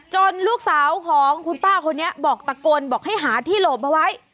ลูกสาวของคุณป้าคนนี้บอกตะโกนบอกให้หาที่หลบเอาไว้